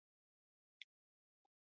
Es el padre de Caín y Jezabel.